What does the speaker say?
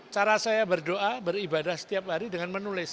cara saya berdoa beribadah setiap hari dengan menulis